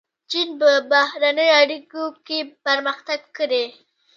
چین په بهرنیو اړیکو کې پرمختګ کړی.